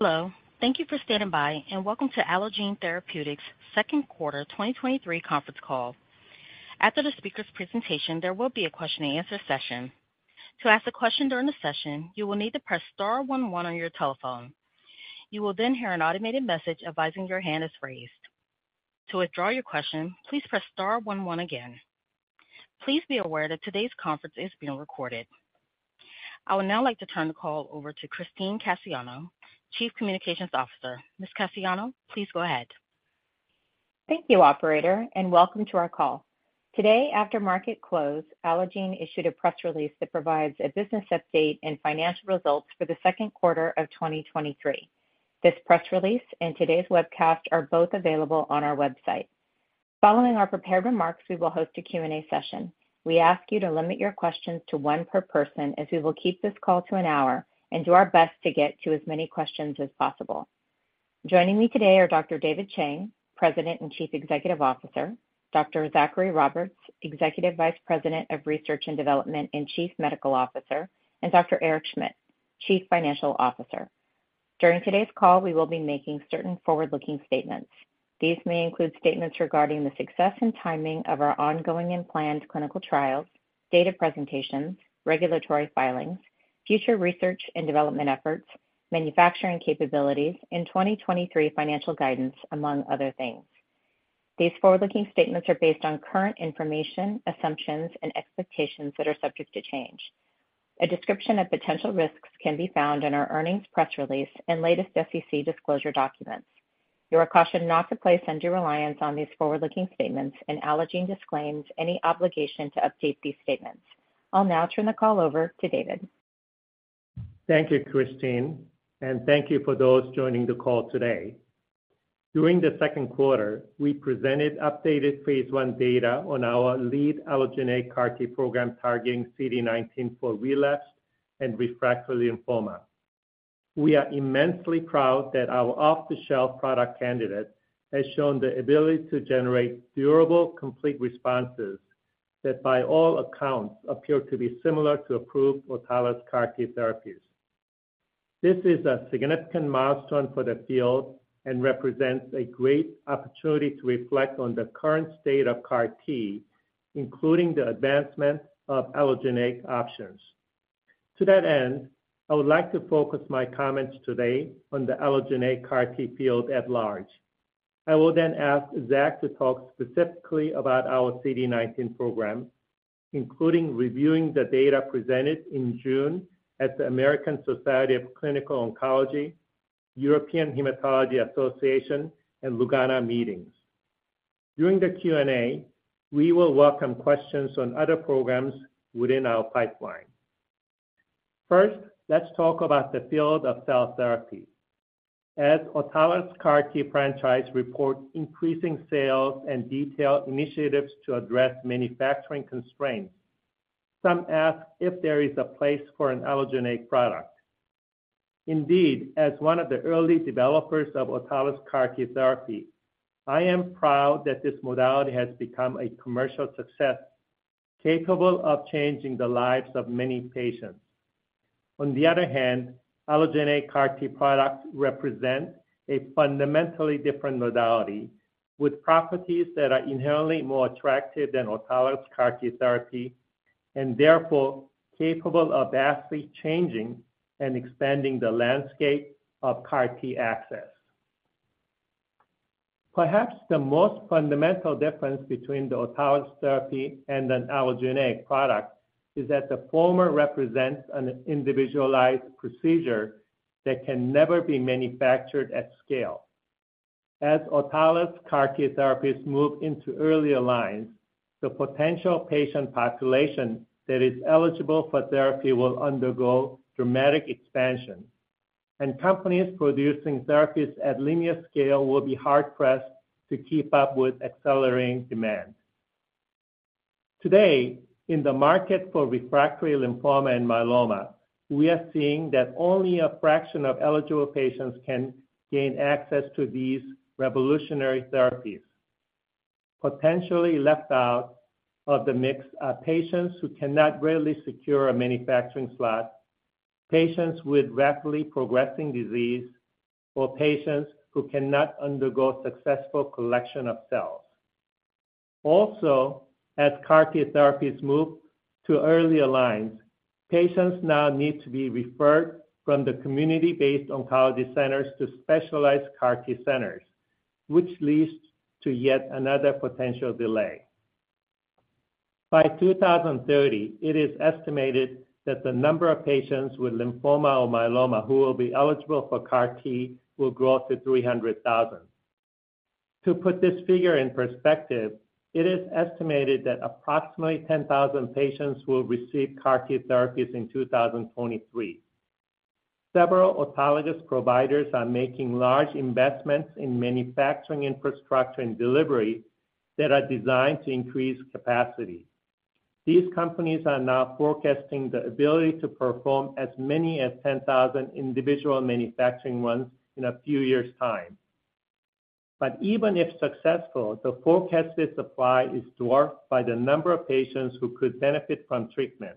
Hello, thank you for standing by, and welcome to Allogene Therapeutics' second quarter 2023 conference call. After the speaker's presentation, there will be a question-and-answer session. To ask a question during the session, you will need to press star one one on your telephone. You will then hear an automated message advising your hand is raised. To withdraw your question, please press star 11 again. Please be aware that today's conference is being recorded. I would now like to turn the call over to Christine Cassiano, Chief Communications Officer. Ms. Cassiano, please go ahead. Thank you, operator, and welcome to our call. Today, after market close, Allogene issued a press release that provides a business update and financial results for the second quarter of 2023. This press release and today's webcast are both available on our website. Following our prepared remarks, we will host a Q&A session. We ask you to limit your questions to one per person, as we will keep this call to an hour and do our best to get to as many questions as possible. Joining me today are Dr. David Chang, President and Chief Executive Officer; Dr. Zachary Roberts, Executive Vice President of Research and Development, and Chief Medical Officer; and Dr. Eric Schmidt, Chief Financial Officer. During today's call, we will be making certain forward-looking statements. These may include statements regarding the success and timing of our ongoing and planned clinical trials, data presentations, regulatory filings, future research and development efforts, manufacturing capabilities, and 2023 financial guidance, among other things. These forward-looking statements are based on current information, assumptions, and expectations that are subject to change. A description of potential risks can be found in our earnings press release and latest SEC disclosure documents. You are cautioned not to place undue reliance on these forward-looking statements, Allogene disclaims any obligation to update these statements. I'll now turn the call over to David. Thank you, Christine, and thank you for those joining the call today. During the second quarter, we presented updated phase I data on our lead allogeneic CAR T program targeting CD19 for relapsed and refractory lymphoma. We are immensely proud that our off-the-shelf product candidate has shown the ability to generate durable, complete responses that, by all accounts, appear to be similar to approved autologous CAR T therapies. This is a significant milestone for the field and represents a great opportunity to reflect on the current state of CAR T, including the advancement of allogeneic options. To that end, I would like to focus my comments today on the allogeneic CAR T field at large. I will then ask Zach to talk specifically about our CD19 program, including reviewing the data presented in June at the American Society of Clinical Oncology, European Hematology Association, and Lugano meetings. During the Q&A, we will welcome questions on other programs within our pipeline. First, let's talk about the field of cell therapy. As autologous CAR T franchise reports increasing sales and detailed initiatives to address manufacturing constraints, some ask if there is a place for an allogeneic product. Indeed, as one of the early developers of autologous CAR T therapy, I am proud that this modality has become a commercial success, capable of changing the lives of many patients. On the other hand, allogeneic CAR T products represent a fundamentally different modality, with properties that are inherently more attractive than autologous CAR T therapy, and therefore capable of vastly changing and expanding the landscape of CAR T access. Perhaps the most fundamental difference between the autologous therapy and an allogeneic product is that the former represents an individualized procedure that can never be manufactured at scale. As autologous CAR T therapies move into earlier lines, the potential patient population that is eligible for therapy will undergo dramatic expansion, and companies producing therapies at linear scale will be hard-pressed to keep up with accelerating demand. Today, in the market for refractory lymphoma and myeloma, we are seeing that only a fraction of eligible patients can gain access to these revolutionary therapies. Potentially left out of the mix are patients who cannot readily secure a manufacturing slot, patients with rapidly progressing disease, or patients who cannot undergo successful collection of cells. Also, as CAR T therapies move to earlier lines, patients now need to be referred from the community-based oncology centers to specialized CAR T centers, which leads to yet another potential delay. By 2030, it is estimated that the number of patients with lymphoma or myeloma who will be eligible for CAR T will grow to 300,000. To put this figure in perspective, it is estimated that approximately 10,000 patients will receive CAR T therapies in 2023. Several autologous providers are making large investments in manufacturing infrastructure and delivery that are designed to increase capacity. These companies are now forecasting the ability to perform as many as 10,000 individual manufacturing runs in a few years' time. Even if successful, the forecasted supply is dwarfed by the number of patients who could benefit from treatment.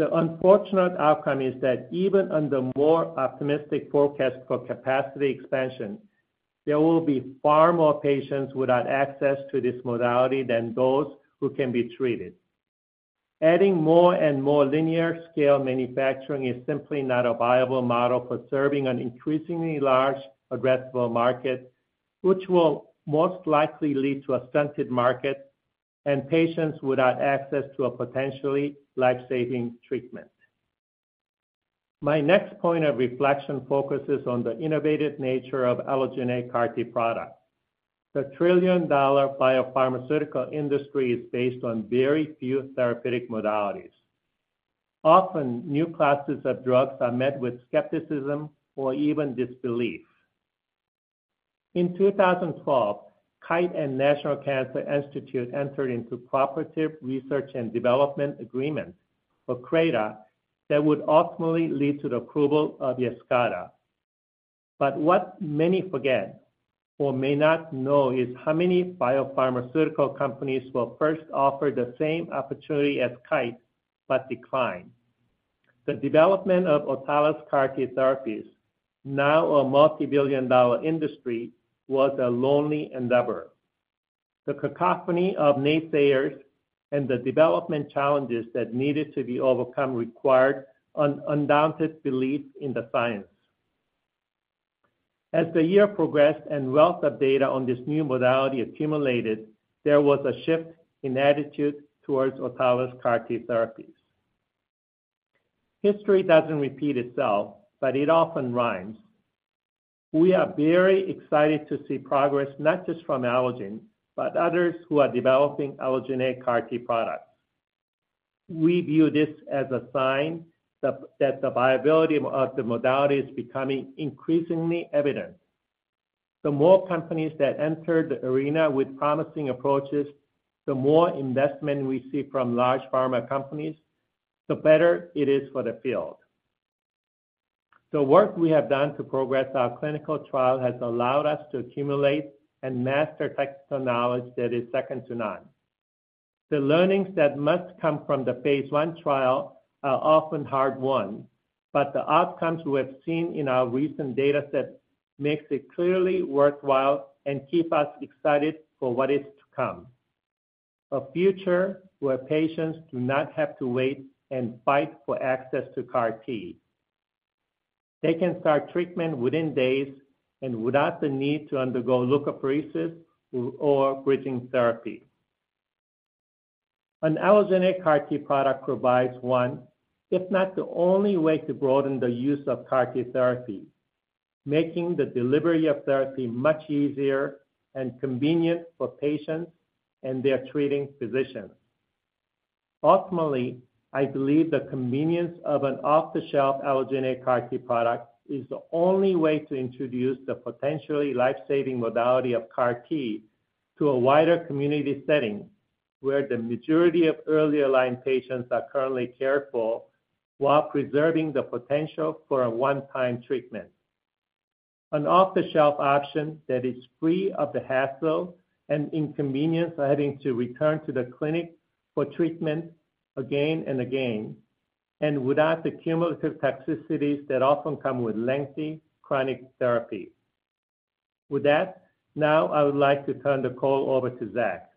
The unfortunate outcome is that even under more optimistic forecasts for capacity expansion, there will be far more patients without access to this modality than those who can be treated. Adding more and more linear scale manufacturing is simply not a viable model for serving an increasingly large addressable market, which will most likely lead to a stunted market and patients without access to a potentially life-saving treatment. My next point of reflection focuses on the innovative nature of allogeneic CAR T products. The $1 trillion biopharmaceutical industry is based on very few therapeutic modalities. New classes of drugs are met with skepticism or even disbelief. In 2012, Kite and National Cancer Institute entered into Cooperative Research and Development Agreement, or CRADA, that would ultimately lead to the approval of YESCARTA. What many forget or may not know is how many biopharmaceutical companies were first offered the same opportunity as Kite, but declined. The development of autologous CAR T therapies, now a multibillion-dollar industry, was a lonely endeavor. The cacophony of naysayers and the development challenges that needed to be overcome required an undaunted belief in the science. As the year progressed and wealth of data on this new modality accumulated, there was a shift in attitude towards autologous CAR T therapies. History doesn't repeat itself, but it often rhymes. We are very excited to see progress, not just from Allogene, but others who are developing allogeneic CAR T products. We view this as a sign that, that the viability of the modality is becoming increasingly evident. The more companies that enter the arena with promising approaches, the more investment we see from large pharma companies, the better it is for the field. The work we have done to progress our clinical trial has allowed us to accumulate and master technical knowledge that is second to none. The learnings that must come from the phase I trial are often hard-won, the outcomes we have seen in our recent dataset makes it clearly worthwhile and keep us excited for what is to come. A future where patients do not have to wait and fight for access to CAR T. They can start treatment within days and without the need to undergo leukapheresis or bridging therapy. An allogeneic CAR T product provides one, if not the only way, to broaden the use of CAR T therapy, making the delivery of therapy much easier and convenient for patients and their treating physicians. Ultimately, I believe the convenience of an off-the-shelf allogeneic CAR T product is the only way to introduce the potentially life-saving modality of CAR T to a wider community setting, where the majority of earlier line patients are currently cared for, while preserving the potential for a one-time treatment. An off-the-shelf option that is free of the hassle and inconvenience of having to return to the clinic for treatment again and again, and without the cumulative toxicities that often come with lengthy chronic therapy. With that, now I would like to turn the call over to Zach.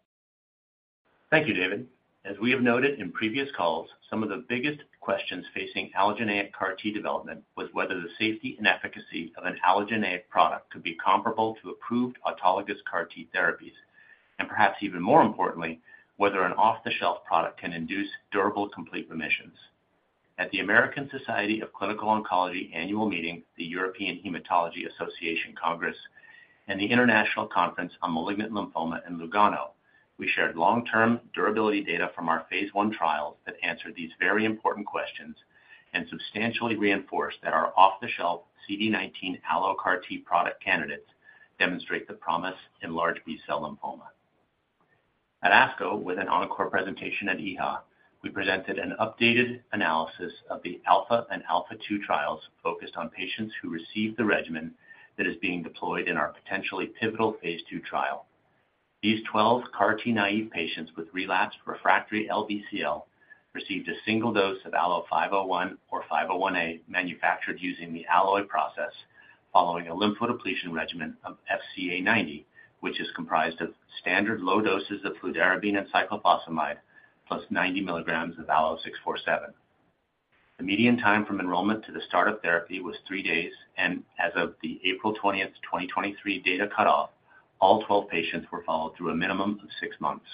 Thank you, David. As we have noted in previous calls, some of the biggest questions facing allogeneic CAR T development was whether the safety and efficacy of an allogeneic product could be comparable to approved autologous CAR T therapies, and perhaps even more importantly, whether an off-the-shelf product can induce durable, complete remissions. At the American Society of Clinical Oncology annual meeting, the European Hematology Association Congress, and the International Conference on Malignant Lymphoma in Lugano, we shared long-term durability data from our phase I trials that answered these very important questions and substantially reinforced that our off-the-shelf CD19 AlloCAR T product candidates demonstrate the promise in large B-cell lymphoma. At ASCO, with an encore presentation at EHA, we presented an updated analysis of the ALPHA and ALPHA2 trials focused on patients who received the regimen that is being deployed in our potentially pivotal phase II trial. These 12 CAR T-naive patients with relapsed refractory LBCL received a single dose of ALLO-501 or ALLO-501A, manufactured using the Alloy process, following a lymphodepletion regimen of FCA90, which is comprised of standard low doses of fludarabine and cyclophosphamide, +90 mg of ALLO-647. The median time from enrollment to the start of therapy was three days, and as of the April 20th, 2023 data cutoff, all 12 patients were followed through a minimum of six months.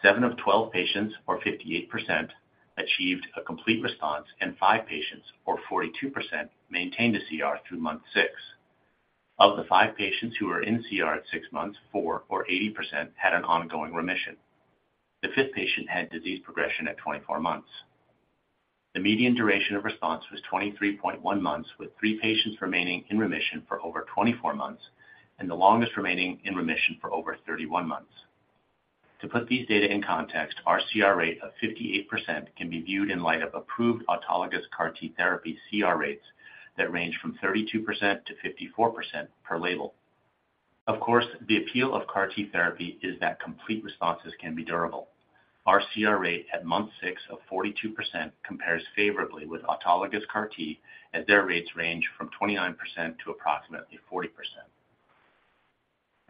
Seven of 12 patients, or 58%, achieved a complete response, and five patients, or 42%, maintained a CR through month six. Of the five patients who were in CR at six months, 4 or 80% had an ongoing remission. The fifth patient had disease progression at 24 months. The median duration of response was 23.1 months, with three patients remaining in remission for over 24 months, and the longest remaining in remission for over 31 months. To put these data in context, our CR rate of 58% can be viewed in light of approved autologous CAR T therapy CR rates that range from 32%-54% per label. Of course, the appeal of CAR T therapy is that complete responses can be durable. Our CR rate at month 6 of 42% compares favorably with autologous CAR T, as their rates range from 29% to approximately 40%.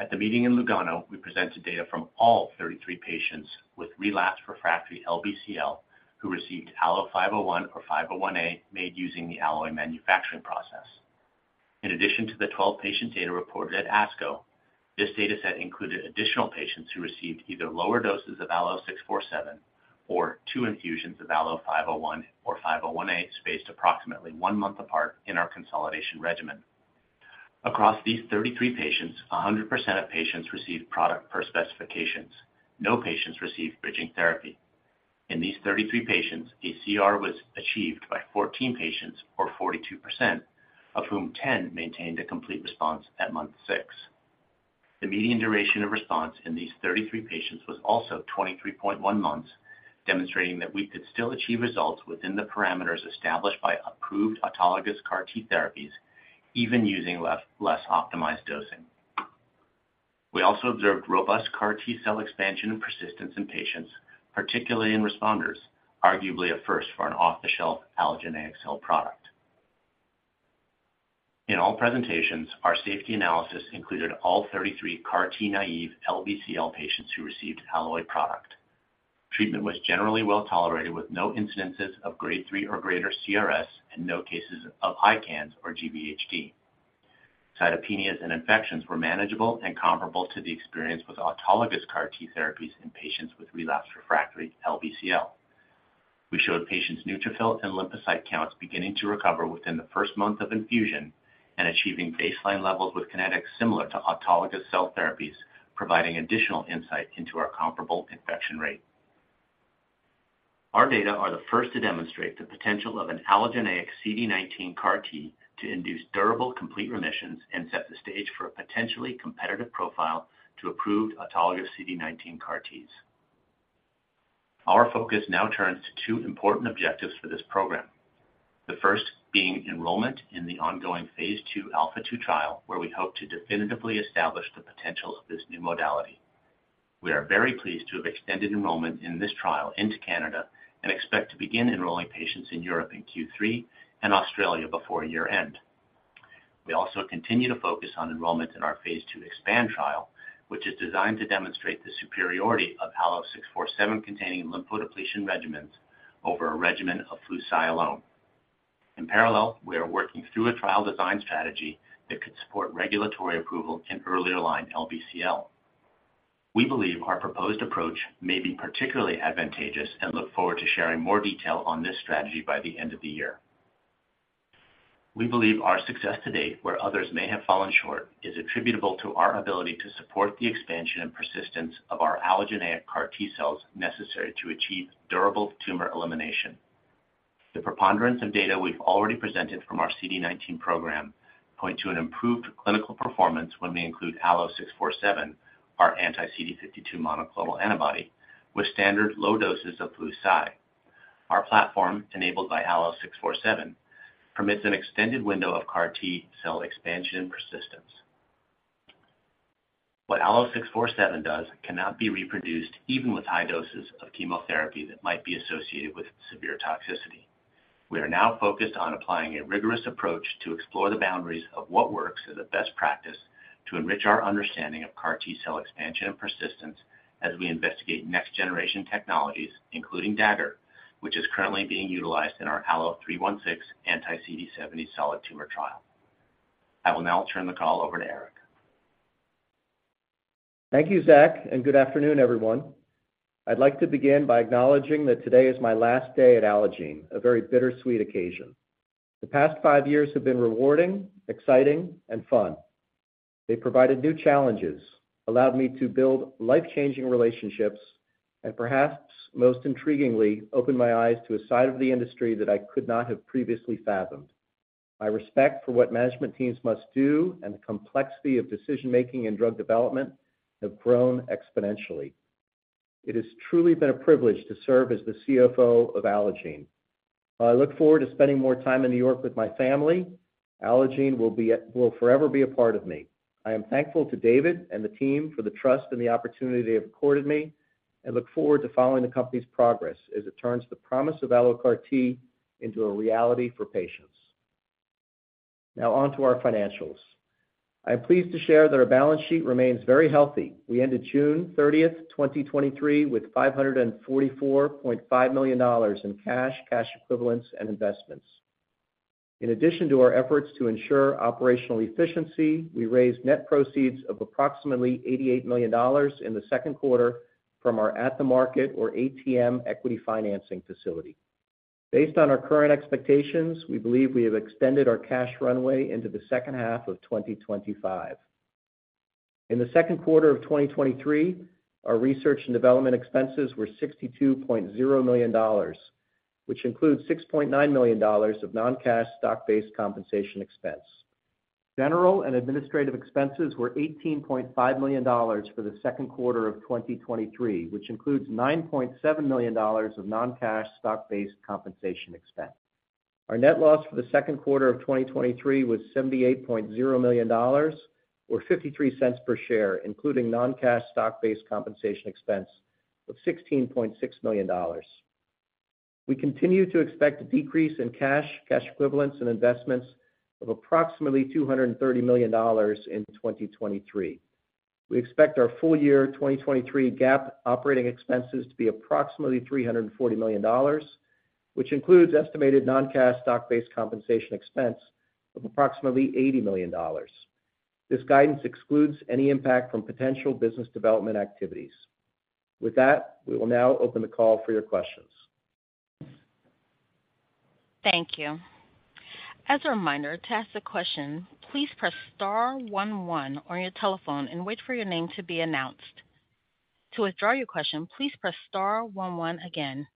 At the meeting in Lugano, we presented data from all 33 patients with relapsed refractory LBCL who received ALLO-501 or ALLO-501A, made using the Alloy manufacturing process. In addition to the 12 patient data reported at ASCO, this data set included additional patients who received either lower doses of ALLO-647 or two infusions of ALLO-501 or ALLO-501A, spaced approximately one month apart in our consolidation regimen. Across these 33 patients, 100% of patients received product per specifications. No patients received bridging therapy. In these 33 patients, a CR was achieved by 14 patients, or 42%, of whom 10 maintained a complete response at month six. The median duration of response in these 33 patients was also 23.1 months, demonstrating that we could still achieve results within the parameters established by approved autologous CAR T therapies, even using less optimized dosing. We also observed robust CAR T cell expansion and persistence in patients, particularly in responders, arguably a first for an off-the-shelf allogeneic cell product. In all presentations, our safety analysis included all 33 CAR T-naive LBCL patients who received Alloy product. Treatment was generally well tolerated, with no incidences of grade three or greater CRS and no cases of ICANS or GvHD. Cytopenias and infections were manageable and comparable to the experience with autologous CAR T therapies in patients with relapsed refractory LBCL. We showed patients' neutrophil and lymphocyte counts beginning to recover within the first month of infusion and achieving baseline levels with kinetics similar to autologous cell therapies, providing additional insight into our comparable infection rate. Our data are the first to demonstrate the potential of an allogeneic CD19 CAR T to induce durable, complete remissions and set the stage for a potentially competitive profile to approved autologous CD19 CAR Ts. Our focus now turns to two important objectives for this program. The first being enrollment in the ongoing phase II ALPHA2 trial, where we hope to definitively establish the potential of this new modality. We are very pleased to have extended enrollment in this trial into Canada and expect to begin enrolling patients in Europe in Q3 and Australia before year-end. We also continue to focus on enrollment in our phase II EXPAND trial, which is designed to demonstrate the superiority of ALLO-647 containing lymphodepletion regimens over a regimen of Flu/Cy alone. In parallel, we are working through a trial design strategy that could support regulatory approval in earlier line LBCL. We believe our proposed approach may be particularly advantageous and look forward to sharing more detail on this strategy by the end of the year. We believe our success to date, where others may have fallen short, is attributable to our ability to support the expansion and persistence of our allogeneic CAR T cells necessary to achieve durable tumor elimination. The preponderance of data we've already presented from our CD19 program point to an improved clinical performance when we include ALLO-647, our anti-CD52 monoclonal antibody, with standard low doses of Flu/Cy. Our platform, enabled by ALLO-647, permits an extended window of CAR T cell expansion and persistence. What ALLO-647 does cannot be reproduced, even with high doses of chemotherapy that might be associated with severe toxicity. We are now focused on applying a rigorous approach to explore the boundaries of what works as a best practice to enrich our understanding of CAR T cell expansion and persistence as we investigate next-generation technologies, including Dagger, which is currently being utilized in our ALLO-316 anti-CD70 solid tumor trial. I will now turn the call over to Eric. Thank you, Zach, and good afternoon, everyone. I'd like to begin by acknowledging that today is my last day at Allogene, a very bittersweet occasion. The past five years have been rewarding, exciting, and fun. They provided new challenges, allowed me to build life-changing relationships, and perhaps most intriguingly, opened my eyes to a side of the industry that I could not have previously fathomed. My respect for what management teams must do and the complexity of decision-making in drug development have grown exponentially. It has truly been a privilege to serve as the CFO of Allogene. While I look forward to spending more time in New York with my family, Allogene will forever be a part of me. I am thankful to David and the team for the trust and the opportunity they have accorded me, and look forward to following the company's progress as it turns the promise of AlloCAR T into a reality for patients. On to our financials. I am pleased to share that our balance sheet remains very healthy. We ended June 30, 2023, with $544.5 million in cash, cash equivalents, and investments. In addition to our efforts to ensure operational efficiency, we raised net proceeds of approximately $88 million in the second quarter from our at-the-market, or ATM, equity financing facility. Based on our current expectations, we believe we have extended our cash runway into the second half of 2025. In the second quarter of 2023, our research and development expenses were $62.0 million, which includes $6.9 million of non-cash stock-based compensation expense. General and administrative expenses were $18.5 million for the second quarter of 2023, which includes $9.7 million of non-cash stock-based compensation expense. Our net loss for the second quarter of 2023 was $78.0 million, or $0.53 per share, including non-cash stock-based compensation expense of $16.6 million. We continue to expect a decrease in cash, cash equivalents and investments of approximately $230 million in 2023. We expect our full year 2023 GAAP operating expenses to be approximately $340 million, which includes estimated non-cash stock-based compensation expense of approximately $80 million. This guidance excludes any impact from potential business development activities. With that, we will now open the call for your questions. Thank you. As a reminder, to ask a question, please press star one one on your telephone and wait for your name to be announced. To withdraw your question, please press star one one again.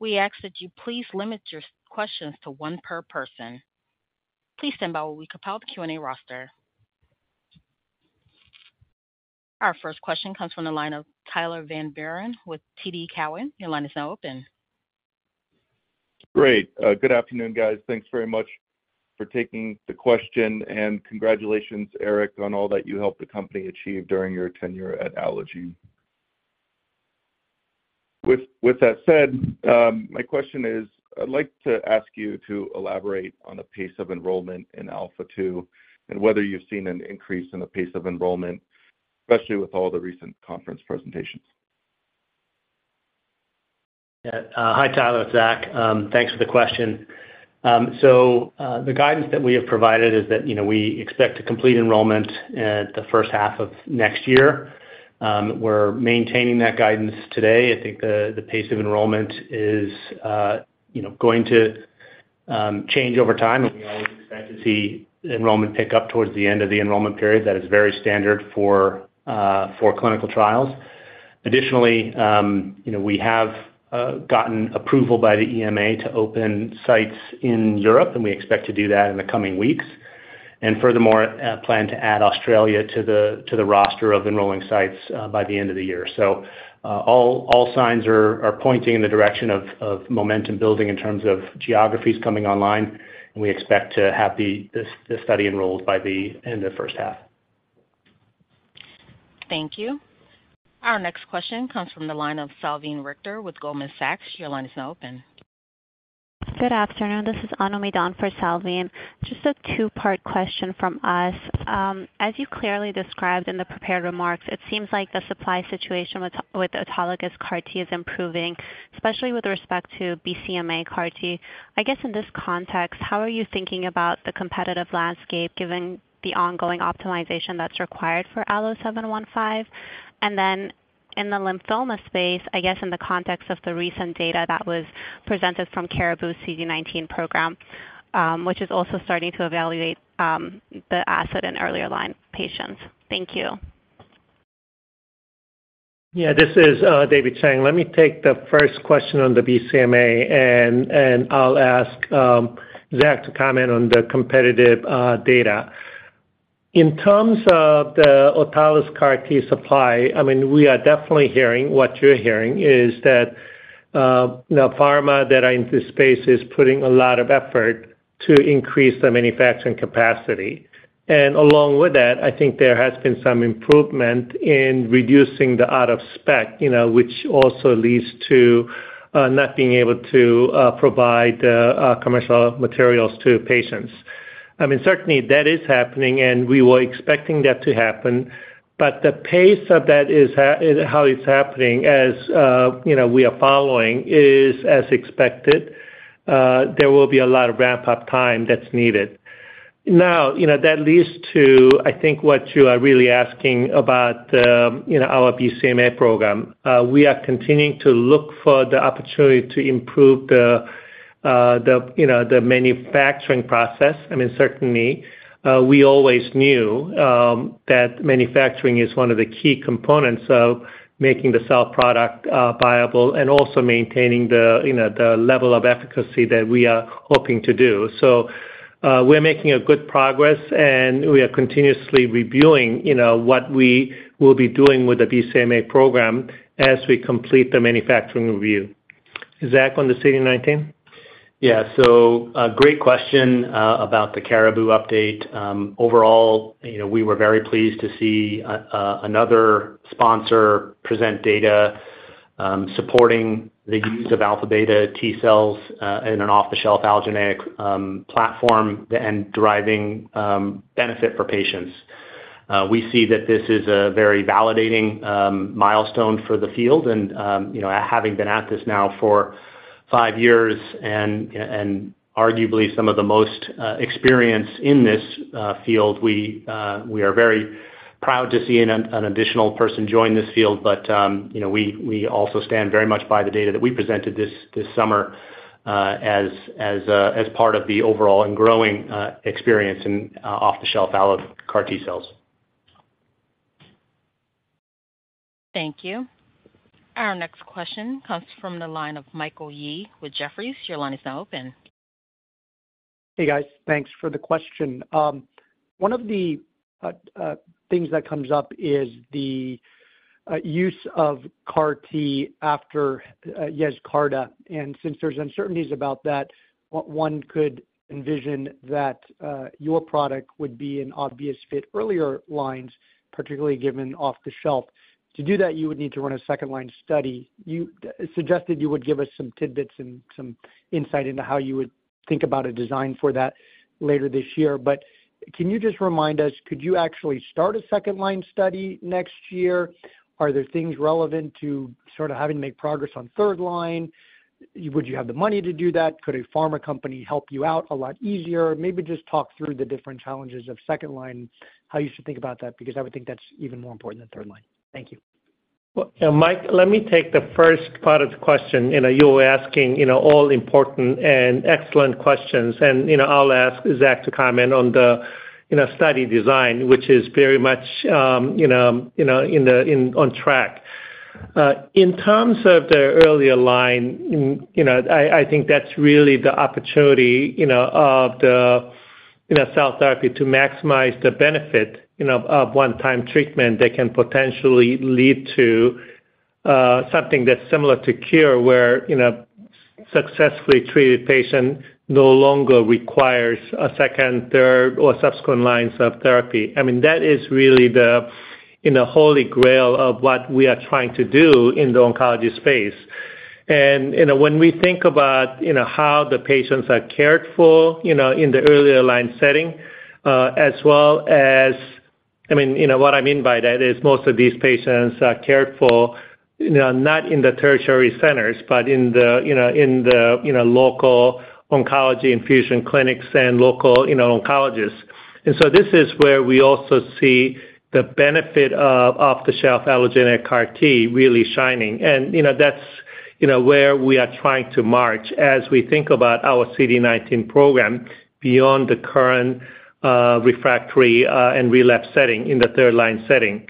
We ask that you please limit your questions to one per person. Please stand by while we compile the Q&A roster. Our first question comes from the line of Tyler Van Buren with TD Cowen. Your line is now open. Great. Good afternoon, guys. Thanks very much for taking the question, and congratulations, Eric, on all that you helped the company achieve during your tenure at Allogene. With that said, my question is: I'd like to ask you to elaborate on the pace of enrollment in ALPHA2 and whether you've seen an increase in the pace of enrollment, especially with all the recent conference presentations. Yeah. Hi, Tyler. It's Zach. Thanks for the question. The guidance that we have provided is that, you know, we expect to complete enrollment in the first half of next year. We're maintaining that guidance today. I think the, the pace of enrollment is, you know, going to change over time, and we always expect to see enrollment pick up towards the end of the enrollment period. That is very standard for clinical trials. Additionally, you know, we have gotten approval by the EMA to open sites in Europe, and we expect to do that in the coming weeks. Furthermore, plan to add Australia to the, to the roster of enrolling sites by the end of the year. All signs are pointing in the direction of momentum building in terms of geographies coming online, and we expect to have this study enrolled by the end of the first half. Thank you. Our next question comes from the line of Salveen Richter with Goldman Sachs. Your line is now open. Good afternoon, this is Anomi Don for Salveen. Just a two-part question from us. As you clearly described in the prepared remarks, it seems like the supply situation with autologous CAR T is improving, especially with respect to BCMA CAR T. I guess in this context, how are you thinking about the competitive landscape, given the ongoing optimization that's required for ALLO-715? In the lymphoma space, I guess in the context of the recent data that was presented from Caribou's CD19 program, which is also starting to evaluate the asset in earlier line patients. Thank you. Yeah, this is David Chang. Let me take the first question on the BCMA, and I'll ask Zach to comment on the competitive data. In terms of the autologous CAR T supply, I mean, we are definitely hearing what you're hearing, is that the pharma that are in this space is putting a lot of effort to increase the manufacturing capacity. Along with that, I think there has been some improvement in reducing the out of spec, you know, which also leads to not being able to provide commercial materials to patients. I mean, certainly that is happening, and we were expecting that to happen, but the pace of that is how it's happening, as, you know, we are following, is as expected. There will be a lot of ramp-up time that's needed. You know, that leads to, I think, what you are really asking about, you know, our BCMA program. We are continuing to look for the opportunity to improve the, the, you know, the manufacturing process. I mean, certainly, we always knew that manufacturing is one of the key components of making the cell product, viable and also maintaining the, you know, the level of efficacy that we are hoping to do. We're making a good progress, and we are continuously reviewing, you know, what we will be doing with the BCMA program as we complete the manufacturing review. Zach, on the CD19? Yeah. So a great question about the Caribou update. Overall, you know, we were very pleased to see another sponsor present data supporting the use of alpha-beta T cells in an off-the-shelf allogeneic platform and driving benefit for patients. We see that this is a very validating milestone for the field and, you know, having been at this now for five years and, and arguably some of the most experienced in this field, we are very proud to see an additional person join this field. But, you know, we also stand very much by the data that we presented this, this summer, as, as part of the overall and growing experience in off-the-shelf AlloCAR T cells. Thank you. Our next question comes from the line of Michael Yee with Jefferies. Your line is now open. Hey, guys. Thanks for the question. One of the things that comes up is the use of CAR T after YESCARTA, and since there's uncertainties about that, what one could envision that your product would be an obvious fit earlier lines, particularly given off the shelf. To do that, you would need to run a second-line study. Suggested you would give us some tidbits and some insight into how you would think about a design for that later this year. Can you just remind us, could you actually start a second line study next year? Are there things relevant to sort of having to make progress on third line? Would you have the money to do that? Could a pharma company help you out a lot easier? Maybe just talk through the different challenges of second line, how you should think about that, because I would think that's even more important than third line. Thank you. Well, Mike, let me take the first part of the question. You know, you're asking, you know, all important and excellent questions, and, you know, I'll ask Zach to comment on the, you know, study design, which is very much, you know, you know, on track. In terms of the earlier line, you know, I, I think that's really the opportunity, you know, of the, you know, cell therapy to maximize the benefit, you know, of one-time treatment that can potentially lead to something that's similar to cure, where, you know, successfully treated patient no longer requires a second, third, or subsequent lines of therapy. I mean, that is really the, you know, holy grail of what we are trying to do in the oncology space. You know, when we think about, you know, how the patients are cared for, you know, in the earlier line setting, as well as. I mean, you know what I mean by that is most of these patients are cared for, you know, not in the tertiary centers, but in the, you know, in the, you know, local oncology infusion clinics and local, you know, oncologists. This is where we also see the benefit of off-the-shelf allogeneic CAR T really shining. You know, that's, you know, where we are trying to march as we think about our CD19 program beyond the current, refractory, and relapse setting in the third-line setting.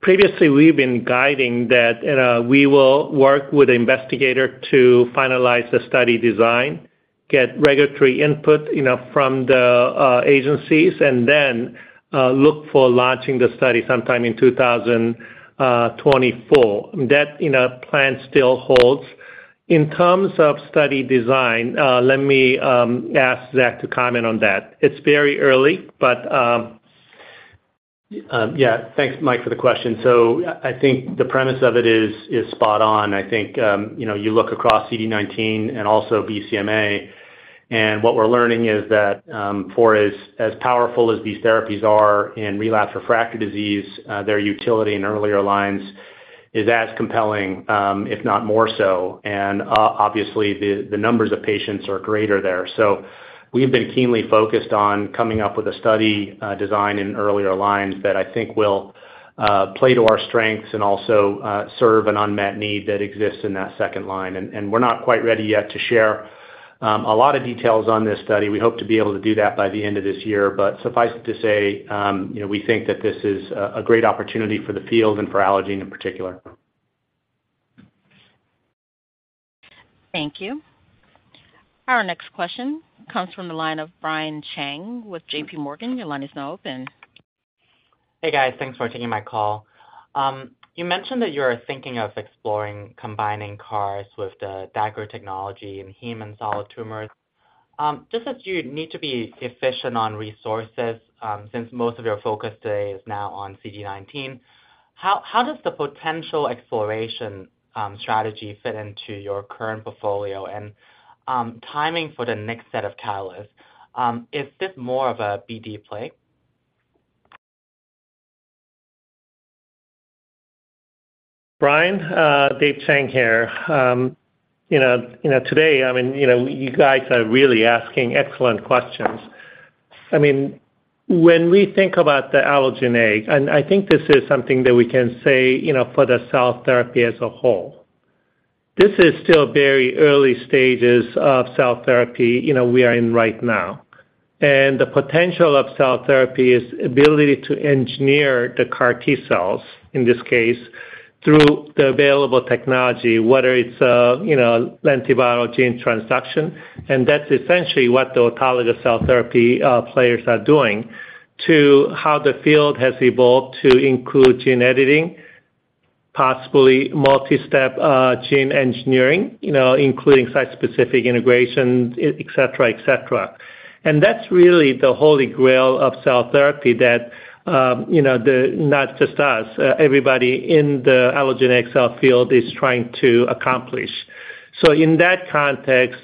Previously, we've been guiding that we will work with the investigator to finalize the study design, get regulatory input, you know, from the agencies, and then look for launching the study sometime in 2024. That, you know, plan still holds. In terms of study design, let me ask Zach to comment on that. It's very early, but. Yeah, thanks, Mike, for the question. I think the premise of it is, is spot on. I think, you know, you look across CD19 and also BCMA, and what we're learning is that, for as, as powerful as these therapies are in relapse/refractory disease, their utility in earlier lines is as compelling, if not more so. Obviously, the, the numbers of patients are greater there. We have been keenly focused on coming up with a study design in earlier lines that I think will play to our strengths and also serve an unmet need that exists in that second line. We're not quite ready yet to share a lot of details on this study. We hope to be able to do that by the end of this year. Suffice it to say, you know, we think that this is a, a great opportunity for the field and for Allogene in particular. Thank you. Our next question comes from the line of Brian Cheng with JPMorgan. Your line is now open. Hey, guys. Thanks for taking my call. You mentioned that you are thinking of exploring combining CARs with the Dagger technology in heme and solid tumors. Just as you need to be efficient on resources, since most of your focus today is now on CD19, how does the potential exploration strategy fit into your current portfolio and timing for the next set of catalysts? Is this more of a BD play? Brian, Dave Chang here. You know, you know, today, I mean, you know, you guys are really asking excellent questions. I mean, when we think about the allogeneic, and I think this is something that we can say, you know, for the cell therapy as a whole. This is still very early stages of cell therapy, you know, we are in right now. The potential of cell therapy is ability to engineer the CAR T cells, in this case, through the available technology, whether it's, you know, lentiviral gene transduction, and that's essentially what the autologous cell therapy players are doing, to how the field has evolved to include gene editing, possibly multi-step gene engineering, you know, including site-specific integrations, et cetera, et cetera. That's really the holy grail of cell therapy that, you know, not just us, everybody in the allogeneic cell field is trying to accomplish. In that context,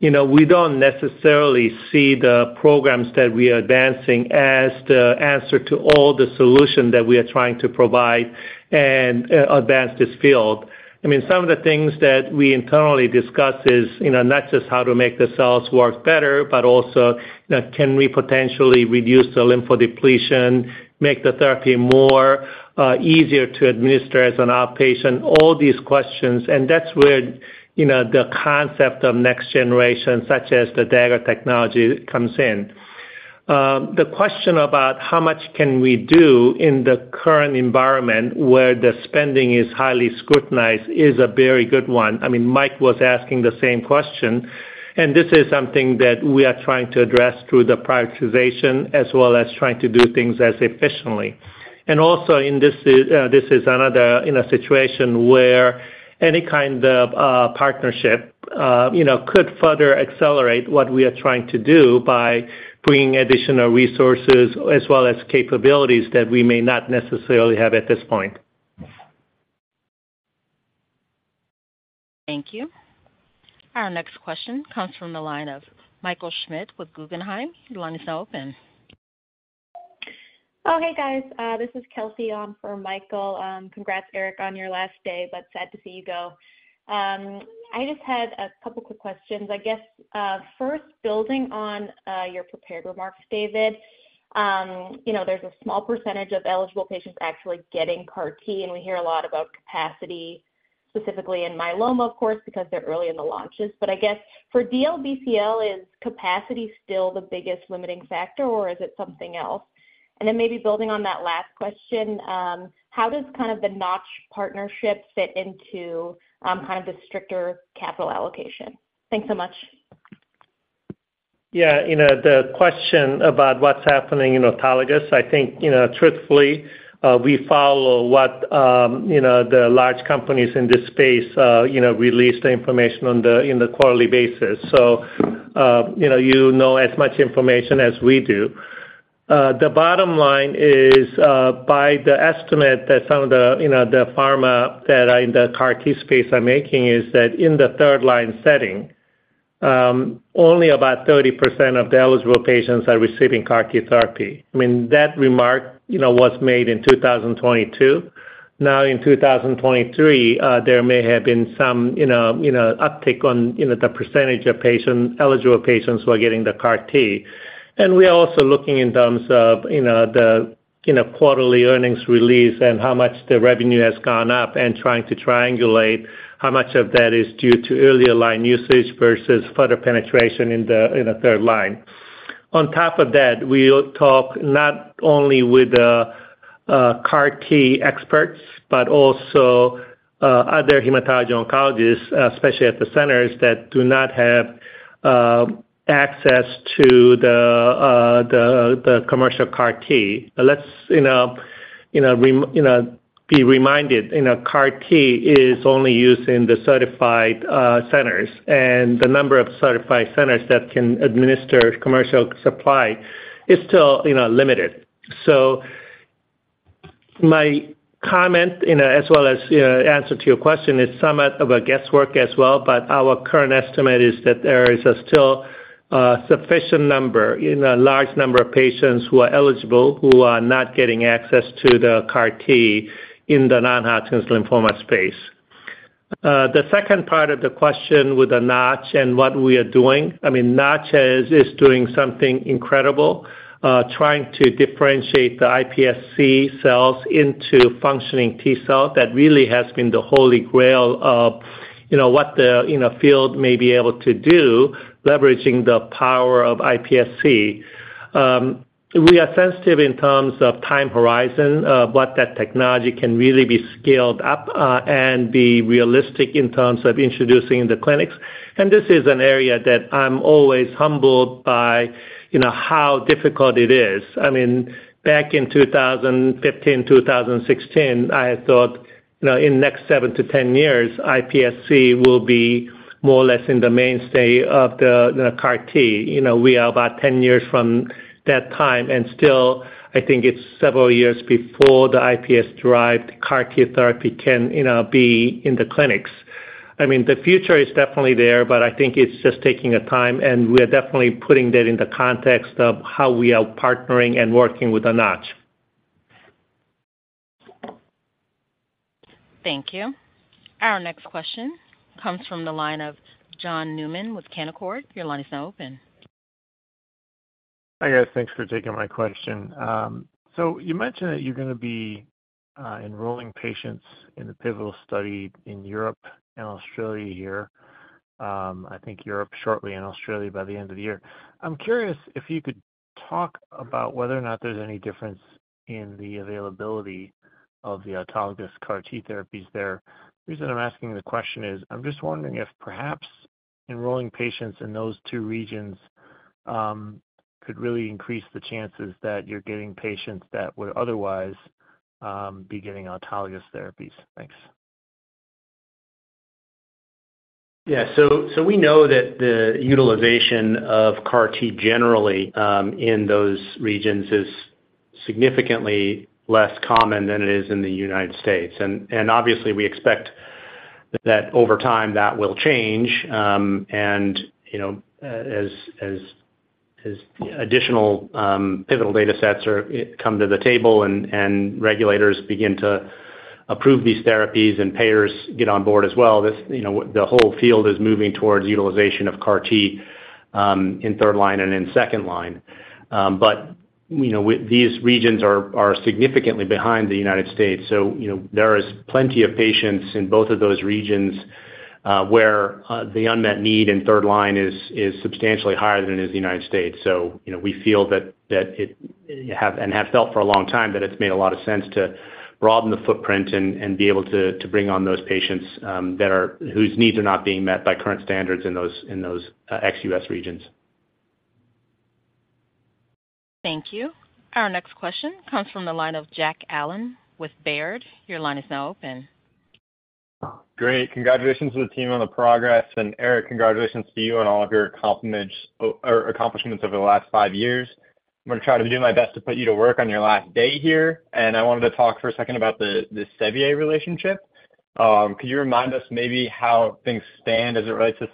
you know, we don't necessarily see the programs that we are advancing as the answer to all the solution that we are trying to provide and advance this field. I mean, some of the things that we internally discuss is, you know, not just how to make the cells work better, but also, you know, can we potentially reduce the lymphodepletion, make the therapy more easier to administer as an outpatient? All these questions. That's where, you know, the concept of next generation, such as the Dagger technology, comes in. The question about how much can we do in the current environment where the spending is highly scrutinized is a very good one. I mean, Mike was asking the same question, and this is something that we are trying to address through the prioritization, as well as trying to do things as efficiently. Also, and this is, this is another, in a situation where any kind of, partnership, you know, could further accelerate what we are trying to do by bringing additional resources as well as capabilities that we may not necessarily have at this point. Thank you. Our next question comes from the line of Michael Schmidt with Guggenheim. Your line is now open. Oh, hey, guys. This is Kelsey on for Michael. Congrats, Eric, on your last day, but sad to see you go. I just had two quick questions. I guess, first, building on your prepared remarks, David. You know, there's a small percentage of eligible patients actually getting CAR T, and we hear a lot about capacity, specifically in myeloma, of course, because they're early in the launches. I guess for DLBCL, is capacity still the biggest limiting factor, or is it something else? Then maybe building on that last question, how does kind of the Notch partnership fit into kind of the stricter capital allocation? Thanks so much. Yeah, you know, the question about what's happening in autologous, I think, you know, truthfully, we follow what, you know, the large companies in this space, you know, release the information on the in the quarterly basis. you know, you know as much information as we do. The bottom line is, by the estimate that some of the, you know, the pharma that are in the CAR T space are making, is that in the third line setting, only about 30% of the eligible patients are receiving CAR T therapy. I mean, that remark, you know, was made in 2022. Now, in 2023, there may have been some, you know, you know, uptick on, you know, the percentage of patient eligible patients who are getting the CAR T. We are also looking in terms of, you know, the, you know, quarterly earnings release and how much the revenue has gone up and trying to triangulate how much of that is due to earlier line usage versus further penetration in the third line. On top of that, we talk not only with the CAR T experts, but also other hematology oncologists, especially at the centers that do not have access to the commercial CAR T. Let's, you know, you know, re- you know, be reminded, you know, CAR T is only used in the certified centers, and the number of certified centers that can administer commercial supply is still, you know, limited. My comment, you know, as well as, answer to your question, is somewhat of a guesswork as well, but our current estimate is that there is still a sufficient number, in a large number of patients who are eligible, who are not getting access to the CAR T in the non-Hodgkin lymphoma space. The second part of the question with the Notch and what we are doing, I mean, Notch is, is doing something incredible, trying to differentiate the iPSC cells into functioning T-cell. That really has been the holy grail of, you know, what the, you know, field may be able to do, leveraging the power of iPSC. We are sensitive in terms of time horizon, of what that technology can really be scaled up, and be realistic in terms of introducing the clinics. This is an area that I'm always humbled by, you know, how difficult it is. I mean, back in 2015, 2016, I thought, you know, in next seven to 10 years, iPSC will be more or less in the mainstay of the, the CAR T. You know, we are about 10 years from that time, and still, I think it's several years before the iPSC-derived CAR T therapy can, you know, be in the clinics. I mean, the future is definitely there, but I think it's just taking a time, and we are definitely putting that in the context of how we are partnering and working with the Notch. Thank you. Our next question comes from the line of John Newman with Canaccord. Your line is now open. Hi, guys. Thanks for taking my question. You mentioned that you're gonna be enrolling patients in the pivotal study in Europe and Australia here. I think Europe shortly and Australia by the end of the year. I'm curious if you could talk about whether or not there's any difference in the availability of the autologous CAR T therapies there. The reason I'm asking the question is, I'm just wondering if perhaps enrolling patients in those two regions could really increase the chances that you're getting patients that would otherwise be getting autologous therapies. Thanks. Yeah. We know that the utilization of CAR T generally in those regions is significantly less common than it is in the United States. Obviously, we expect that over time, that will change, and, you know, as, as, as additional pivotal datasets come to the table and regulators begin to approve these therapies and payers get on board as well, you know, the whole field is moving towards utilization of CAR T in third line and in second line. You know, these regions are significantly behind the United States. You know, there is plenty of patients in both of those regions where the unmet need in third line is substantially higher than it is in the United States. you know, we feel that, that it have, and have felt for a long time, that it's made a lot of sense to broaden the footprint and, and be able to, to bring on those patients whose needs are not being met by current standards in those, in those, ex-U.S. regions. Thank you. Our next question comes from the line of Jack Allen with Baird. Your line is now open. Great. Congratulations to the team on the progress, Eric, congratulations to you on all of your accomplishments, or accomplishments over the last five years. I'm gonna try to do my best to put you to work on your last day here, I wanted to talk for a second about the, the Servier relationship. Could you remind us maybe how things stand as it relates to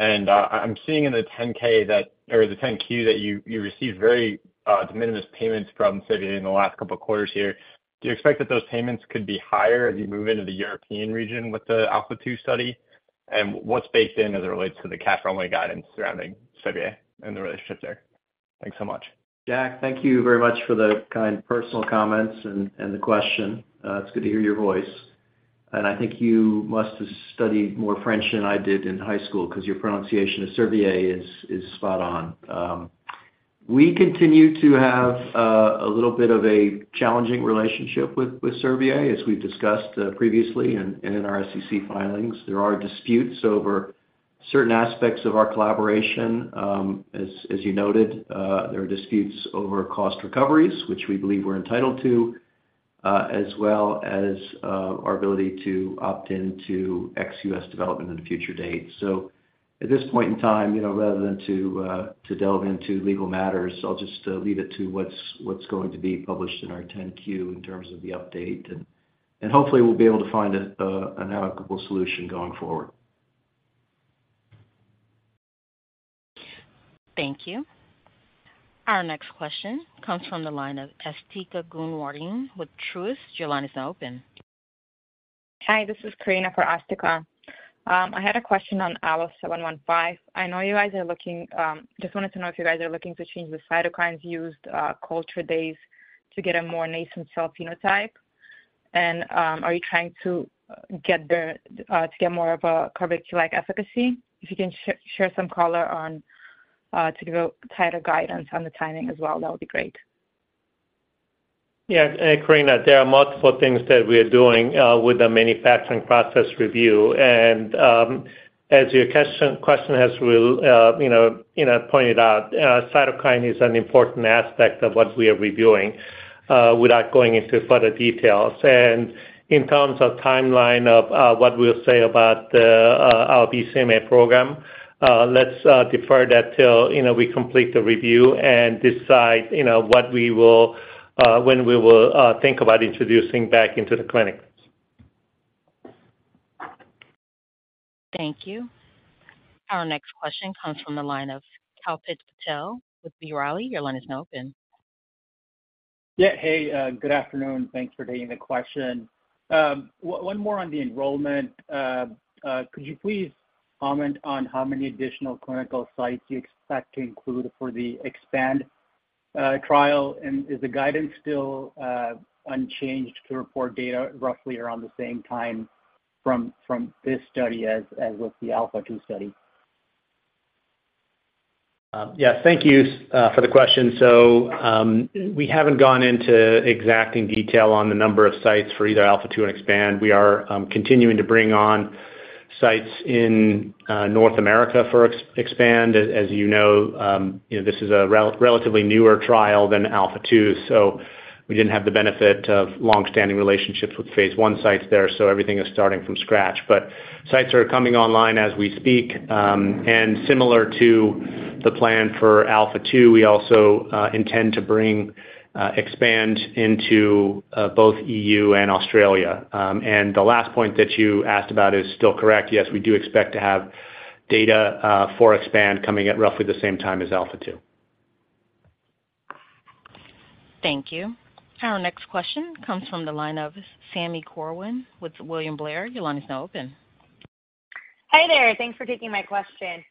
Servier? I'm seeing in the 10-K that, or the 10-Q that you, you received very, de minimis payments from Servier in the last couple of quarters here. Do you expect that those payments could be higher as you move into the European region with the ALPHA2 study? What's baked in as it relates to the cash runway guidance surrounding Servier and the relationship there? Thanks so much. Jack, thank you very much for the kind personal comments and, and the question. It's good to hear your voice. I think you must have studied more French than I did in high school, 'cause your pronunciation of Servier is, is spot on. We continue to have a little bit of a challenging relationship with, with Servier, as we've discussed previously in, in our SEC filings. There are disputes over certain aspects of our collaboration. As, as you noted, there are disputes over cost recoveries, which we believe we're entitled to, as well as our ability to opt into ex-U.S. development at a future date. At this point in time, you know, rather than to to delve into legal matters, I'll just leave it to what's, what's going to be published in our 10-Q in terms of the update. Hopefully we'll be able to find a an amicable solution going forward. Thank you. Our next question comes from the line of Asthika Goonewardene with Truist Securities. Your line is now open. Hi, this is Karina for Asthika. I had a question on ALLO-715. I know you guys are looking, just wanted to know if you guys are looking to change the cytokines used, culture days to get a more nascent cell phenotype. Are you trying to get the to get more of a CAR V2 like efficacy? If you can share some color on to give a tighter guidance on the timing as well, that would be great. Yes, Karina, there are multiple things that we are doing with the manufacturing process review. As your question, you know, you know, pointed out, cytokine is an important aspect of what we are reviewing without going into further details. In terms of timeline of what we'll say about our BCMA program, let's defer that till, you know, we complete the review and decide, you know, what we will, when we will think about introducing back into the clinic. Thank you. Our next question comes from the line of Kalpit Patel with B. Riley. Your line is now open. Yeah. Hey, good afternoon. Thanks for taking the question. One more on the enrollment. Could you please comment on how many additional clinical sites you expect to include for the EXPAND trial? Is the guidance still unchanged to report data roughly around the same time from this study as with the ALPHA2 study? Yeah, thank you for the question. We haven't gone into exacting detail on the number of sites for either ALPHA2 and EXPAND. We are continuing to bring on sites in North America for EXPAND. As, as you know, you know, this is a relatively newer trial than ALPHA2, so we didn't have the benefit of long-standing relationships with phase I sites there, so everything is starting from scratch. But sites are coming online as we speak, and similar to the plan for ALPHA2, we also intend to bring EXPAND into both EU and Australia. And the last point that you asked about is still correct. Yes, we do expect to have data for EXPAND coming at roughly the same time as ALPHA2. Thank you. Our next question comes from the line of Sami Corwin with William Blair. Your line is now open. Hi there, thanks for taking my question.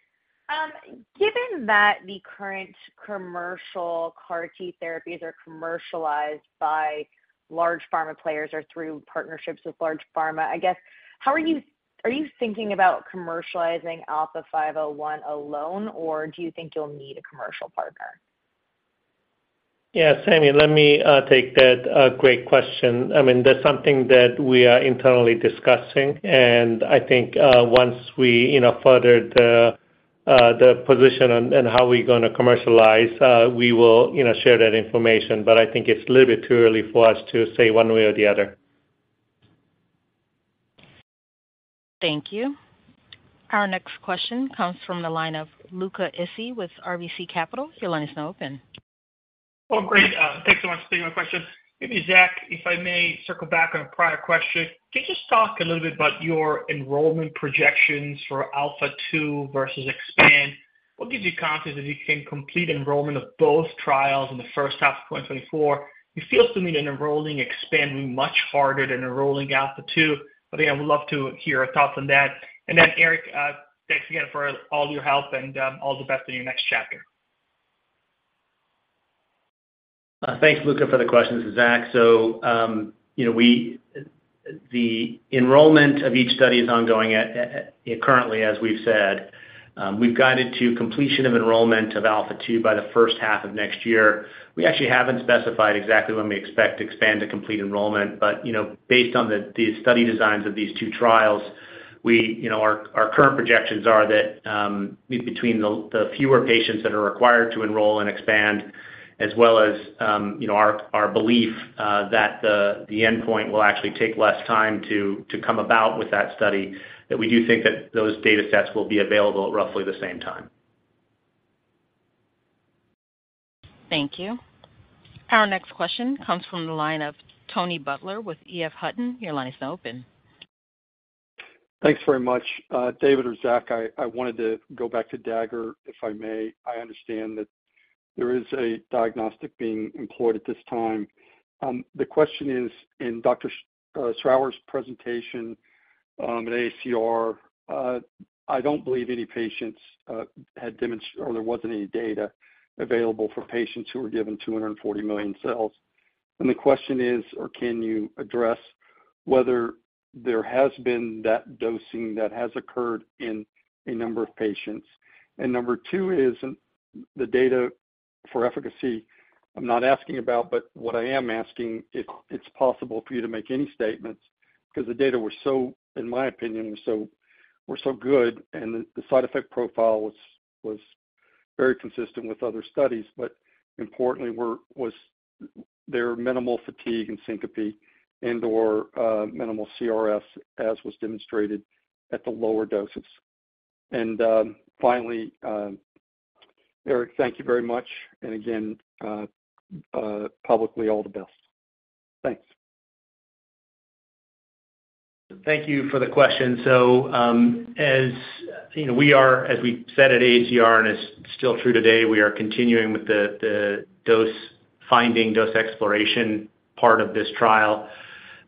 Given that the current commercial CAR T therapies are commercialized by large pharma players or through partnerships with large pharma, how are you thinking about commercializing ALLO-501 alone, or do you think you'll need a commercial partner? Yeah, Sammy, let me take that great question. I mean, that's something that we are internally discussing, and I think once we, you know, further the the position on and how we're gonna commercialize, we will, you know, share that information. I think it's a little bit too early for us to say one way or the other. Thank you. Our next question comes from the line of Luca Issi with RBC Capital. Your line is now open. Well, great, thanks so much for taking my question. Maybe, Zach, if I may circle back on a prior question. Can you just talk a little bit about your enrollment projections for ALPHA2 versus EXPAND? What gives you confidence that you can complete enrollment of both trials in the first half of 2024? It feels to me that enrolling, EXPAND much harder than enrolling ALPHA2, yeah, I would love to hear your thoughts on that. Then, Eric, thanks again for all your help, and all the best in your next chapter. Thanks, Luca, for the question. This is Zach. You know, we, the enrollment of each study is ongoing at, at, currently, as we've said. We've guided to completion of enrollment of ALPHA2 by the first half of next year. We actually haven't specified exactly when we expect EXPAND to complete enrollment, but, you know, based on the, the study designs of these two trials, we, you know, our, our current projections are that, between the, the fewer patients that are required to enroll in EXPAND as well as, you know, our, our belief, that the, the endpoint will actually take less time to, to come about with that study, that we do think that those data sets will be available at roughly the same time. Thank you. Our next question comes from the line of Tony Butler with EF Hutton. Your line is now open. Thanks very much. David or Zach, I, I wanted to go back to Dagger, if I may. I understand that there is a diagnostic being employed at this time. The question is, in Dr. Schrawer's presentation, at AACR, I don't believe any patients, had demonstr- or there wasn't any data available for patients who were given 240 million cells. The question is, or can you address whether there has been that dosing that has occurred in a number of patients? Number two is, the data for efficacy, I'm not asking about, but what I am asking, if it's possible for you to make any statements, because the data were so, in my opinion, were so, were so good, and the side effect profile was, was very consistent with other studies. Importantly, was there minimal fatigue and syncope and/or, minimal CRS, as was demonstrated at the lower doses? Finally, Eric, thank you very much, and again, publicly, all the best. Thanks. Thank you for the question. As, you know, we are, as we said at AACR, and it's still true today, we are continuing with the, the dose-finding, dose exploration part of this trial.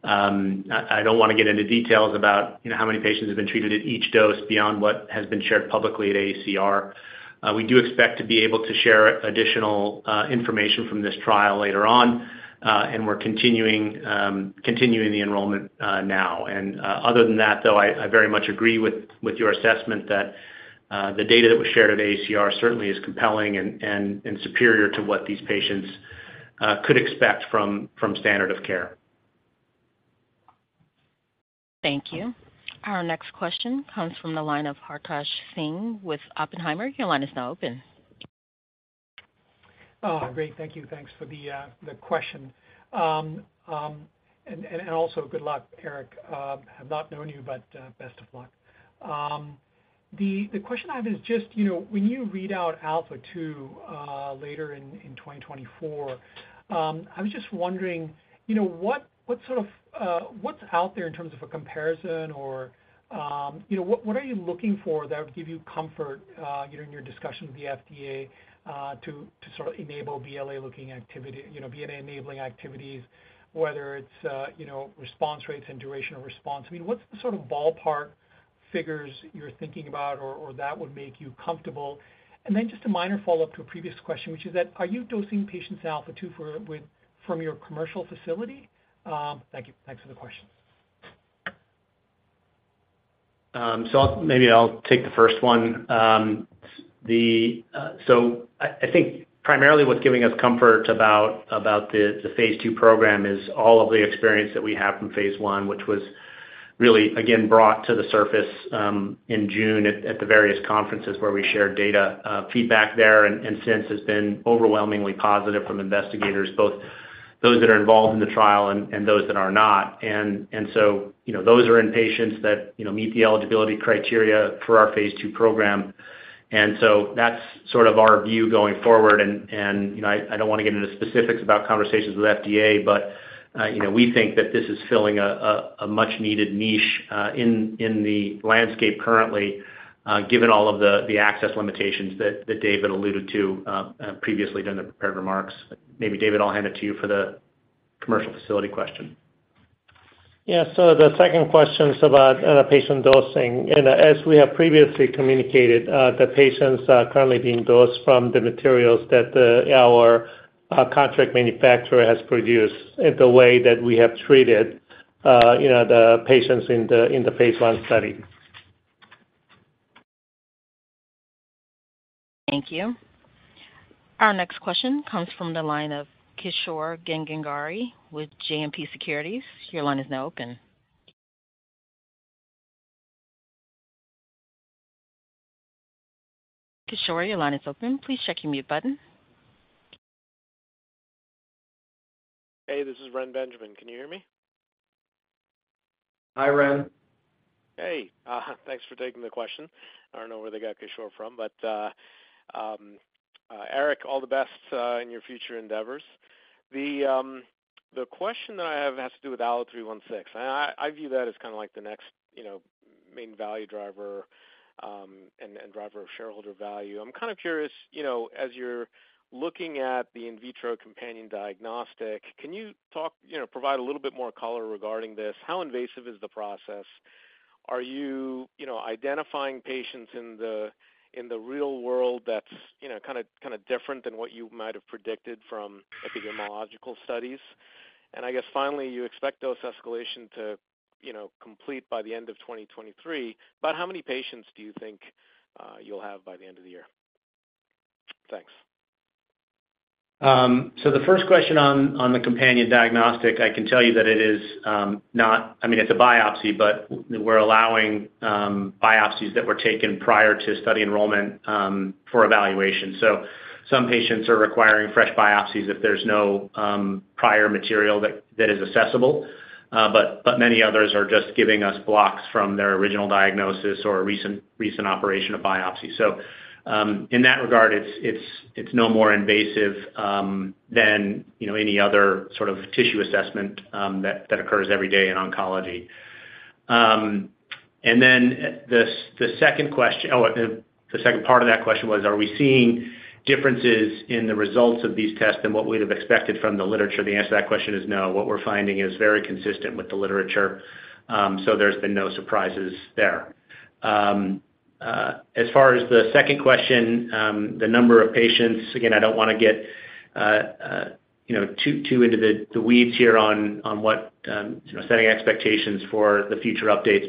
I, I don't want to get into details about, you know, how many patients have been treated at each dose beyond what has been shared publicly at AACR. We do expect to be able to share additional information from this trial later on, and we're continuing the enrollment now. Other than that, though, I, I very much agree with, with your assessment that, the data that was shared at AACR certainly is compelling and, and, and superior to what these patients could expect from, from standard of care. Thank you. Our next question comes from the line of Hartaj Singh with Oppenheimer. Your line is now open. Oh, great. Thank you. Thanks for the question. Also good luck, Eric. I've not known you, but best of luck. The question I have is just, you know, when you read out ALPHA2 later in 2024, I was just wondering, you know, what, what sort of, what's out there in terms of a comparison or, you know, what, what are you looking for that would give you comfort, you know, in your discussion with the FDA to sort of enable BLA-looking activity, you know, BLA-enabling activities, whether it's, you know, response rates and duration of response? I mean, what's the sort of ballpark figures you're thinking about or that would make you comfortable? Then just a minor follow-up to a previous question, which is that, are you dosing patients in ALPHA2 for, with, from your commercial facility? Thank you. Thanks for the question. Maybe I'll take the first one. I, I think primarily what's giving us comfort about, about the, the phase II program is all of the experience that we have from phase I, which was really, again, brought to the surface, in June at, at the various conferences where we shared data, feedback there, and, and since has been overwhelmingly positive from investigators, both those that are involved in the trial and, and those that are not. You know, those are in patients that, you know, meet the eligibility criteria for our phase II program, and so that's sort of our view going forward. You know, I, I don't want to get into specifics about conversations with FDA, but, you know, we think that this is filling a much-needed niche in the landscape currently, given all of the access limitations that David alluded to previously during the prepared remarks. Maybe, David, I'll hand it to you for the commercial facility question. Yeah, so the second question is about patient dosing. As we have previously communicated, the patients are currently being dosed from the materials that our contract manufacturer has produced in the way that we have treated, you know, the patients in the phase I study. Thank you. Our next question comes from the line of Kishore Gangagari with JMP Securities. Your line is now open. Kishore, your line is open. Please check your mute button. Hey, this is Reni Benjamin. Can you hear me? Hi, Ren. Hey, thanks for taking the question. I don't know where they got Kishore from, but Eric, all the best in your future endeavors. The question that I have has to do with ALLO-316, and I, I view that as kind of like the next, you know, main value driver, and driver of shareholder value. I'm kind of curious, you know, as you're looking at the in vitro companion diagnostic, can you talk, you know, provide a little bit more color regarding this? How invasive is the process? Are you, you know, identifying patients in the, in the real world that's, you know, kinda, kinda different than what you might have predicted from epidemiological studies? I guess finally, you expect dose escalation to, you know, complete by the end of 2023. About how many patients do you think you'll have by the end of the year? Thanks. The first question on, on the companion diagnostic, I can tell you that it is, not, I mean, it's a biopsy, but we're allowing biopsies that were taken prior to study enrollment for evaluation. Some patients are requiring fresh biopsies if there's no prior material that is accessible. Many others are just giving us blocks from their original diagnosis or recent operation of biopsy. In that regard, it's, it's, it's no more invasive than, you know, any other sort of tissue assessment that occurs every day in oncology. Then the, the second question, the second part of that question was, are we seeing differences in the results of these tests than what we'd have expected from the literature? The answer to that question is no. What we're finding is very consistent with the literature, there's been no surprises there. As far as the second question, the number of patients, again, I don't wanna get, you know, too, too into the, the weeds here on, on what, you know, setting expectations for the future updates.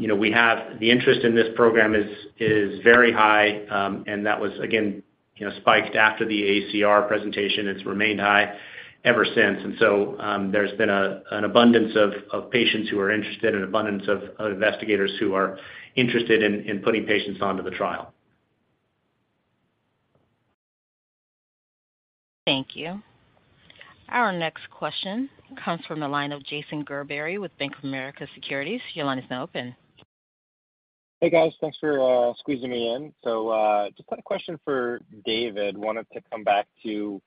You know, we have the interest in this program is, is very high, and that was, again, you know, spiked after the ACR presentation. It's remained high ever since. There's been a, an abundance of, of patients who are interested and abundance of, of investigators who are interested in, in putting patients onto the trial. Thank you. Our next question comes from the line of Jason Gerberry with Bank of America Securities. Your line is now open. Hey, guys. Thanks for squeezing me in. Just had a question for David. Wanted to come back to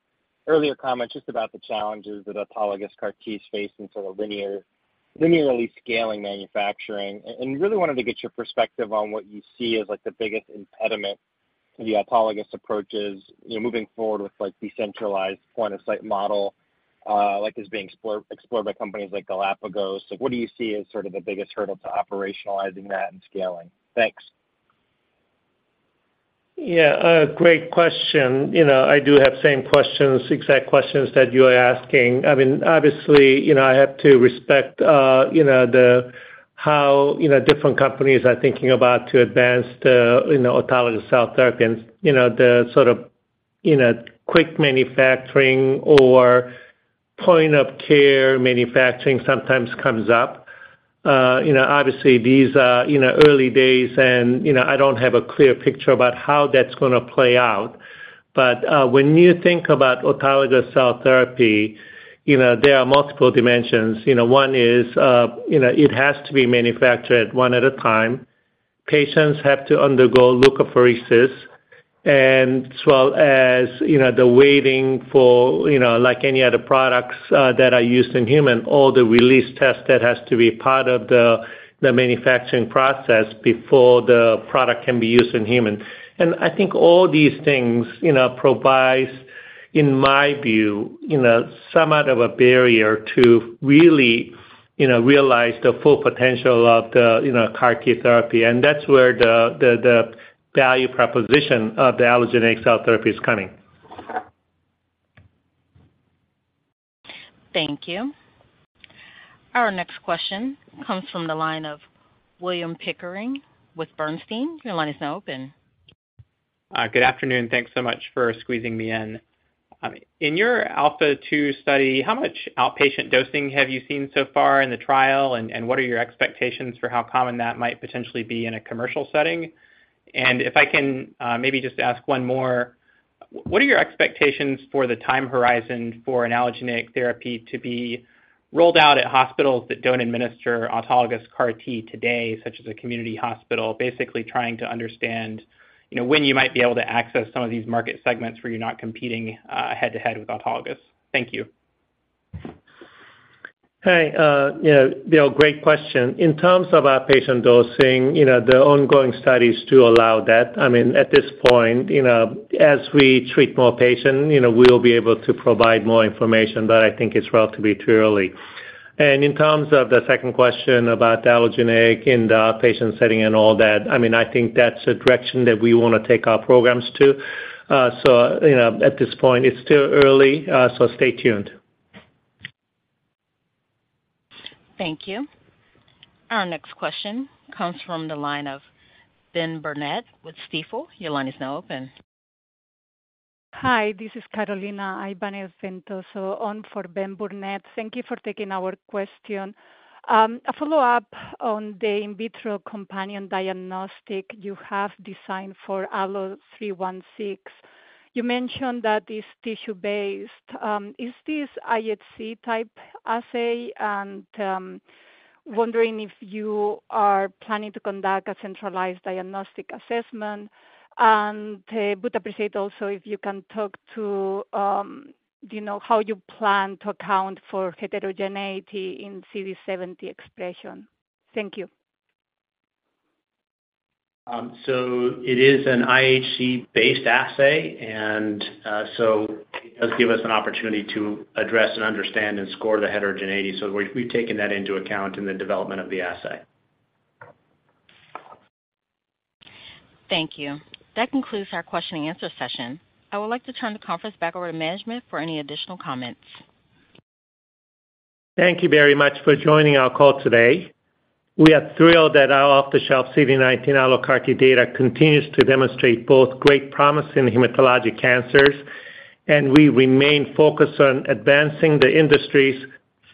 earlier comments just about the challenges that autologous CAR T is facing, sort of linearly scaling manufacturing. Really wanted to get your perspective on what you see as like the biggest impediment to the autologous approaches, you know, moving forward with, like, decentralized point of site model, like is being explored by companies like Galapagos. What do you see as sort of the biggest hurdle to operationalizing that and scaling? Thanks. Yeah, a great question. You know, I do have same questions, exact questions that you are asking. I mean, obviously, you know, I have to respect, you know, the how, you know, different companies are thinking about to advance the, you know, autologous cell therapy. You know, the sort of, you know, quick manufacturing or point of care manufacturing sometimes comes up. You know, obviously, these are, you know, early days, and, you know, I don't have a clear picture about how that's gonna play out. When you think about autologous cell therapy, you know, there are multiple dimensions. You know, one is, you know, it has to be manufactured one at a time. Patients have to undergo leukapheresis, and as well as, you know, the waiting for, you know, like any other products, that are used in human, all the release test that has to be part of the, the manufacturing process before the product can be used in humans. I think all these things, you know, provides, in my view, you know, somewhat of a barrier to really, you know, realize the full potential of the, you know, CAR T therapy. That's where the, the, the value proposition of the allogeneic cell therapy is coming. Thank you. Our next question comes from the line of William Pickering with Bernstein. Your line is now open. Good afternoon. Thanks so much for squeezing me in. In your ALPHA2 study, how much outpatient dosing have you seen so far in the trial, and what are your expectations for how common that might potentially be in a commercial setting? If I can, maybe just ask one more. What are your expectations for the time horizon for an allogeneic therapy to be rolled out at hospitals that don't administer autologous CAR T today, such as a community hospital, basically trying to understand, you know, when you might be able to access some of these market segments where you're not competing head-to-head with autologous? Thank you. Hey, you know, Bill, great question. In terms of our patient dosing, you know, the ongoing studies do allow that. I mean, at this point, you know, as we treat more patients, you know, we'll be able to provide more information, but I think it's relatively too early. In terms of the second question about the allogeneic in the outpatient setting and all that, I mean, I think that's a direction that we wanna take our programs to. So, you know, at this point, it's still early, so stay tuned. Thank you. Our next question comes from the line of Ben Burnett with Stifel. Your line is now open. Hi, this is Carolina Ibanez Ventoso on for Ben Burnett. Thank you for taking our question. A follow-up on the in vitro companion diagnostic you have designed for ALLO-316. You mentioned that it's tissue-based. Is this IHC type assay? Wondering if you are planning to conduct a centralized diagnostic assessment. Would appreciate also if you can talk to, do you know how you plan to account for heterogeneity in CD70 expression? Thank you. It is an IHC-based assay, and so it does give us an opportunity to address and understand and score the heterogeneity. We've, we've taken that into account in the development of the assay. Thank you. That concludes our question and answer session. I would like to turn the conference back over to management for any additional comments. Thank you very much for joining our call today. We are thrilled that our off-the-shelf CD19 AlloCAR T data continues to demonstrate both great promise in hematologic cancers. We remain focused on advancing the industry's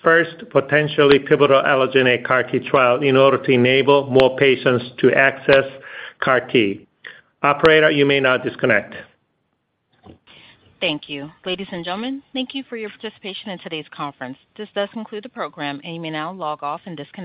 first potentially pivotal allogeneic CAR T trial in order to enable more patients to access CAR T. Operator, you may now disconnect. Thank you. Ladies and gentlemen, thank you for your participation in today's conference. This does conclude the program, and you may now log off and disconnect.